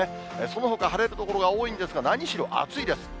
そのほか、晴れる所が多いんですが、何しろ暑いです。